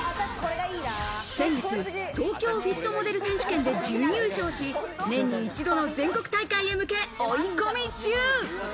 先月、東京フィットモデル選手権で準優勝し、年に一度の全国大会へ向け、追い込み中。